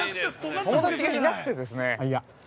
友達がいなくてですね